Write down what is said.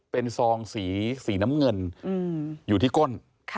เป็นซองสีน้ำเงินอยู่ที่ก้น